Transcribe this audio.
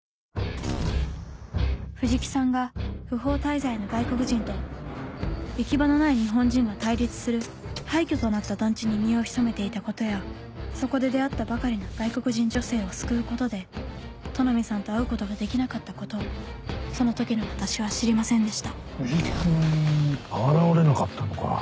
藤木さんが不法滞在の外国人と行き場のない日本人が対立する廃虚となった団地に身を潜めていたことやそこで出会ったばかりの外国人女性を救うことで都波さんと会うことができなかったことをその時の私は知りませんでした藤木君現れなかったのか。